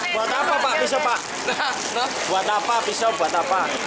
buat apa pak pisau pak